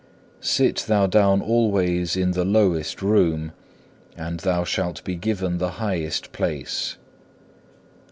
4. Sit thou down always in the lowest room and thou shalt be given the highest place.